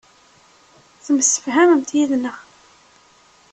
Temsefhamemt yid-neɣ.